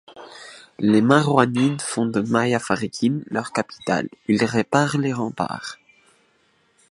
Les Marwanides font de Mayyafarikin leur capitale, ils réparent les remparts.